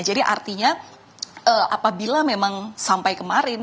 artinya apabila memang sampai kemarin